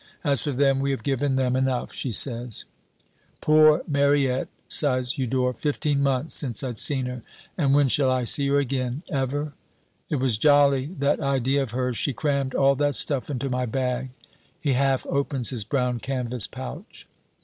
As for them, we have given them enough,' she says. "Poor Mariette," sighs Eudore. "Fifteen months since I'd seen her. And when shall I see her again? Ever? It was jolly, that idea of hers. She crammed all that stuff into my bag " He half opens his brown canvas pouch.